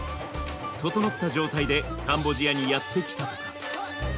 整った状態でカンボジアにやって来たとか。